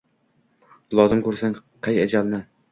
Lozim ko’rsang qay ajalni